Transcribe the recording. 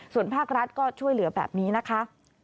ส่วนภาครัฐก็ช่วยเหลือแบบนี้นะคะ